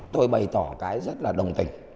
tôi bày tỏ cái rất là đồng tình